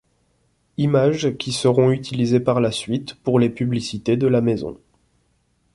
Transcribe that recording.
Images qui seront utilisées par la suite pour les publicités de la maison.